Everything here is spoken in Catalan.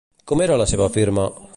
Com era la seva firma?